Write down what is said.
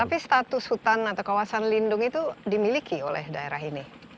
tapi status hutan atau kawasan lindung itu dimiliki oleh daerah ini